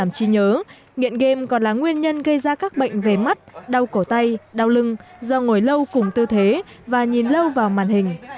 trí nhớ nghiện game còn là nguyên nhân gây ra các bệnh về mắt đau cổ tay đau lưng do ngồi lâu cùng tư thế và nhìn lâu vào màn hình